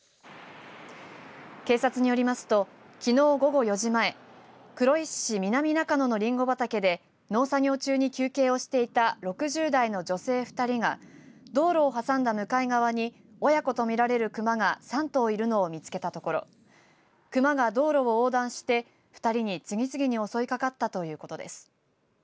警察によりますときのう午後４時前黒石市南中野のリンゴ畑で農作業中に休憩をしていた６０代の女性２人が道路を挟んだ向かい側に親子と見られる熊が３頭いるのを見つけたところ熊が道路を横断して２人に次々に襲いかかったということです。